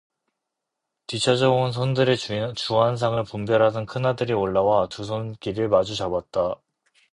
뒤처져 온 손들의 주안상을 분별하던 큰아들이 올라와 두 손길을 마주 잡았다.